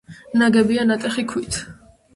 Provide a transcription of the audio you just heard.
ნაგებია ნატეხი ქვით.